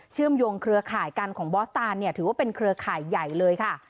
เชื่อมโยงเครือข่ายกันของบอสตานเนี่ยถือว่าเป็นเครือข่ายใหญ่เลยค่ะ